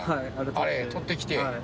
あれ撮ってきて。